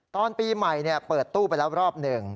ตอนปีใหม่เปิดตู้ไปแล้วรอบหนึ่ง